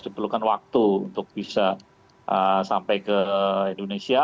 diperlukan waktu untuk bisa sampai ke indonesia